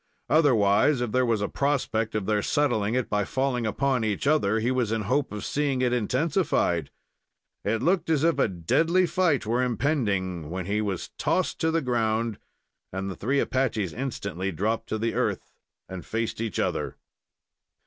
Otherwise, if there was a prospect of their settling it by falling upon each other, he was in hope of seeing it intensified. It looked as if a deadly fight were impending, when he was tossed to the ground, and the three Apaches instantly dropped to the earth and faced each other.